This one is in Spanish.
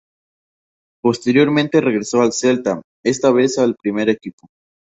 Posteriormente regresó al Celta, esta vez al primer equipo.